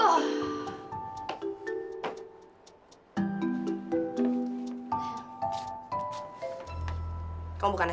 terus kamu harus berhati hati